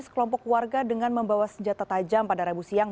sekelompok warga dengan membawa senjata tajam pada rabu siang